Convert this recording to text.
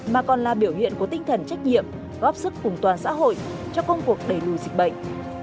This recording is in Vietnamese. mà còn là biểu hiện của tinh thần trách nhiệm góp sức cùng toàn xã hội cho công cuộc đẩy lùi dịch bệnh